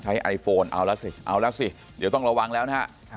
ใช้ไอโฟนเอาแล้วนดีเอาแล้วนดีอาวิธย์สร้างก่อนคลุมรีบ